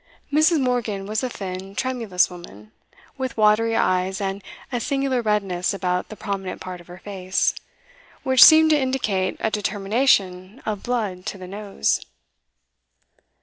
Mrs. Morgan was a thin, tremulous woman, with watery eyes and a singular redness about the prominent part of her face, which seemed to indicate a determination of blood to the nose.